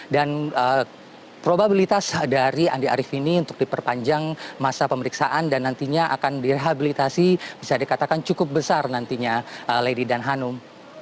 dan probabilitas dari andi arief ini untuk diperpanjang masa pemeriksaan dan nantinya akan direhabilitasi bisa dikatakan cukup besar nantinya lady danhanum